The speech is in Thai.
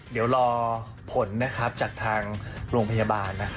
เดี๋ยวรอผลจากทางโรงพยาบาล